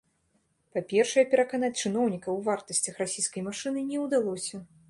Па-першае, пераканаць чыноўнікаў у вартасцях расійскай машыны не ўдалося.